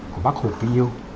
của bác hồ kinh yêu